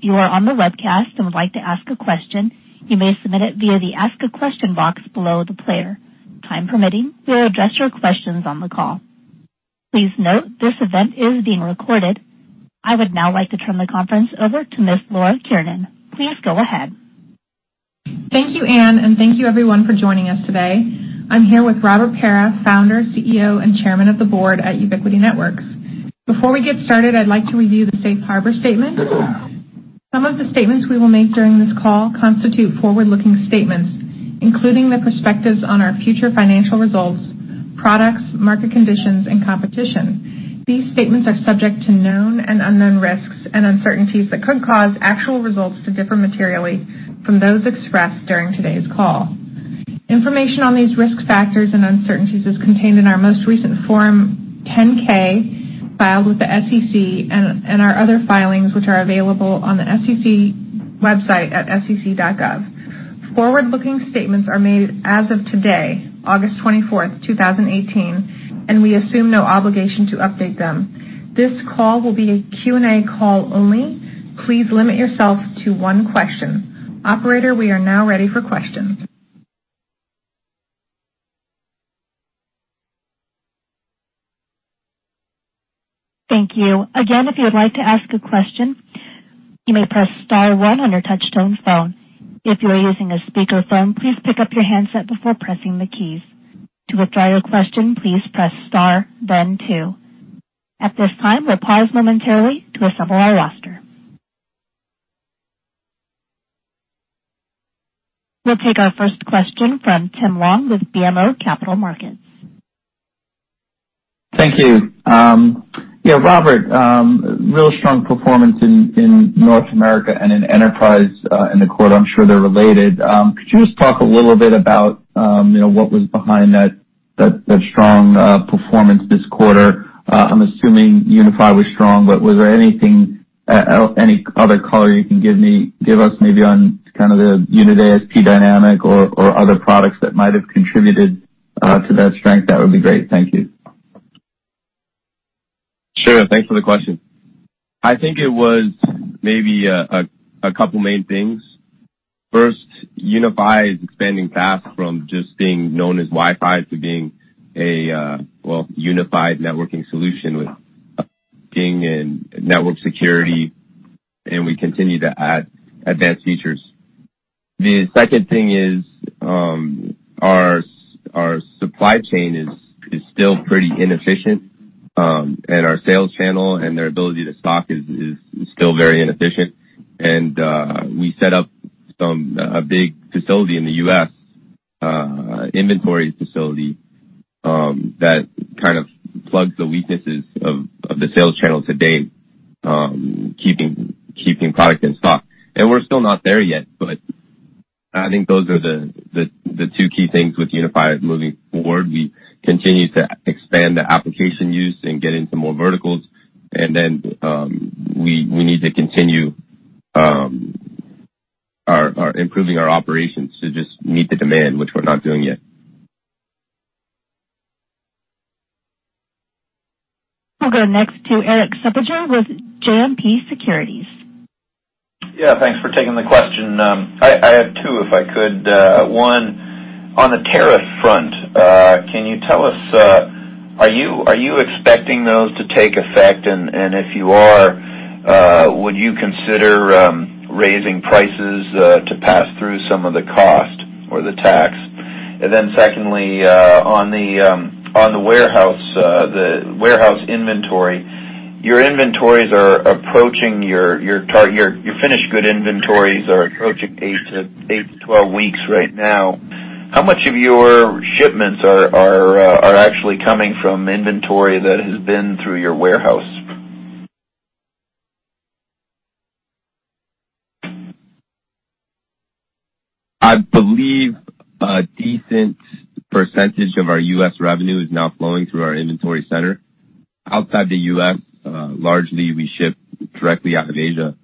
If you are on the webcast and would like to ask a question, you may submit it via the Ask a Question box below the player. Time permitting, we'll address your questions on the call. Please note this event is being recorded. I would now like to turn the conference over to Ms. Laura Kiernan. Please go ahead. Thank you, Ann, and thank you, everyone, for joining us today. I'm here with Robert Pera, Founder, CEO, and Chairman of the Board at Ubiquiti Networks. Before we get started, I'd like to review the Safe Harbor Statement. Some of the statements we will make during this call constitute forward-looking statements, including the perspectives on our future financial results, products, market conditions, and competition. These statements are subject to known and unknown risks and uncertainties that could cause actual results to differ materially from those expressed during today's call. Information on these risk factors and uncertainties is contained in our most recent Form 10-K filed with the SEC and our other filings, which are available on the SEC website at sec.gov. Forward-looking statements are made as of today, August 24, 2018, and we assume no obligation to update them. This call will be a Q&A call only. Please limit yourself to one question. Operator, we are now ready for questions. Thank you. Again, if you would like to ask a question, you may press Star one on your touchtone phone. If you are using a speakerphone, please pick up your handset before pressing the keys. To withdraw your question, please press Star, then two. At this time, we'll pause momentarily to assemble our roster. We'll take our first question from Tim Long with BMO Capital Markets. Thank you. Robert, real strong performance in North America and in enterprise in the quarter. I'm sure they're related. Could you just talk a little bit about what was behind that strong performance this quarter? I'm assuming UniFi was strong, but was there anything, any other color you can give us maybe on kind of the unit ASP dynamic or other products that might have contributed to that strength? That would be great. Thank you. Sure. Thanks for the question. I think it was maybe a couple of main things. First, UniFi is expanding fast from just being known as Wi-Fi to being a, well, unified networking solution with ping and network security, and we continue to add advanced features. The second thing is our supply chain is still pretty inefficient, and our sales channel and their ability to stock is still very inefficient. We set up a big facility in the U.S., an inventory facility, that kind of plugs the weaknesses of the sales channel to date, keeping product in stock. We're still not there yet, but I think those are the two key things with UniFi moving forward. We continue to expand the application use and get into more verticals, and then we need to continue improving our operations to just meet the demand, which we're not doing yet. We'll go next to Eric Suppiger with JMP Securities. Yeah, thanks for taking the question. I had two if I could. One, on the tariff front, can you tell us, are you expecting those to take effect? If you are, would you consider raising prices to pass through some of the cost or the tax? Secondly, on the warehouse inventory, your inventories are approaching, your finished good inventories are approaching 8-12 weeks right now. How much of your shipments are actually coming from inventory that has been through your warehouse? I believe a decent percentage of our U.S. revenue is now flowing through our inventory center. Outside the U.S., largely, we ship directly out of Asia.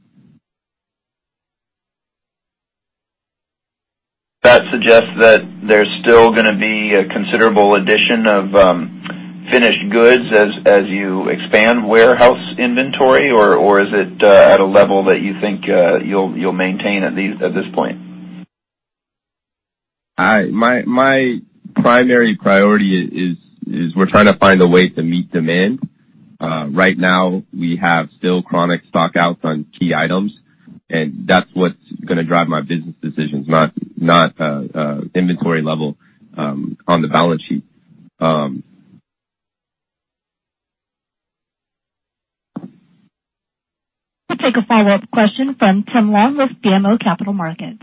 That suggests that there's still going to be a considerable addition of finished goods as you expand warehouse inventory, or is it at a level that you think you'll maintain at this point? My primary priority is we're trying to find a way to meet demand. Right now, we have still chronic stockouts on key items, and that's what's going to drive my business decisions, not inventory level on the balance sheet. We'll take a follow-up question from Tim Long with BMO Capital Markets.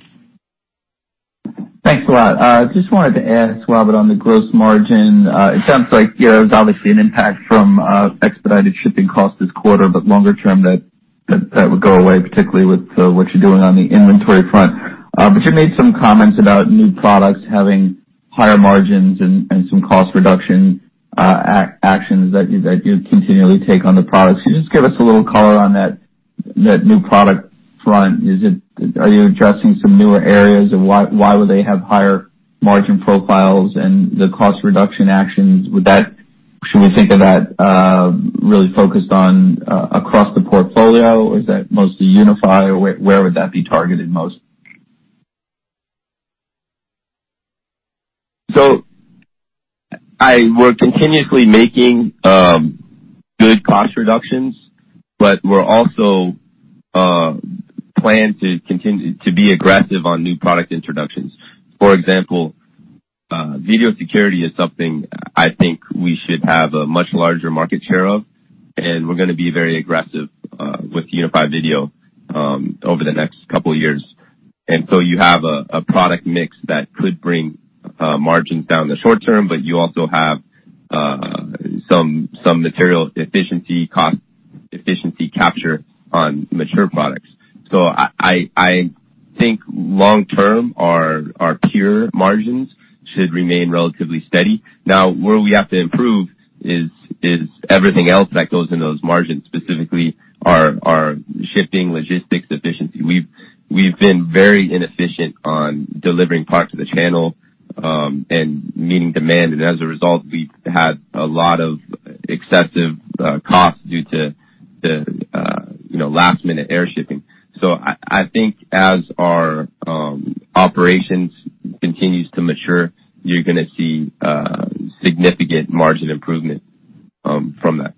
Thanks a lot. I just wanted to ask, Robert, on the gross margin, it sounds like there was obviously an impact from expedited shipping costs this quarter, that would go away longer-term, particularly with what you're doing on the inventory front. You made some comments about new products having higher margins and some cost reduction actions that you continually take on the products. Can you just give us a little color on that new product front? Are you addressing some newer areas, or why would they have higher margin profiles and the cost reduction actions? Should we think of that really focused on across the portfolio, or is that mostly UniFi? Where would that be targeted most? We're continuously making good cost reductions, but we're also planning to be aggressive on new product introductions. For example, video security is something I think we should have a much larger market share of, and we're going to be very aggressive with UniFi Video over the next couple of years. You have a product mix that could bring margins down in the short term, but you also have some material efficiency, cost efficiency capture on mature products. I think long-term, our core margins should remain relatively steady. Where we have to improve is everything else that goes into those margins, specifically our shipping logistics efficiency. We've been very inefficient on delivering parts of the channel and meeting demand, and as a result, we've had a lot of excessive costs due to last-minute air shipping. I think as our operations continue to mature, you're going to see significant margin improvement from that.